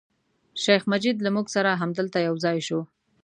شیخ مجید له موږ سره همدلته یو ځای شو.